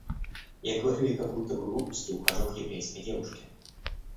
Я говорю ей какую-то глупость и ухожу к еврейской девушке.